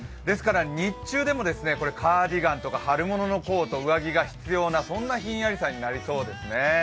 日中でもカーディガンとか春物のコート、上着が必要なそんなひんやりさになりそうですね。